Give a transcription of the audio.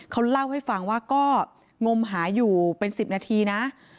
เขาเล่าให้ฟังว่าก็งมหาอยู่เป็น๑๐นาทีนะ